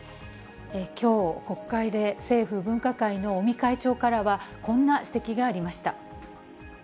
きょう、国会で政府分科会の尾身会長からは、こんな指摘がありました。